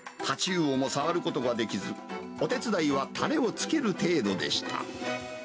太刀魚も触ることができず、お手伝いはたれをつける程度でした。